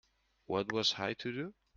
What was I to do?